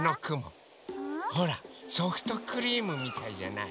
ほらソフトクリームみたいじゃない？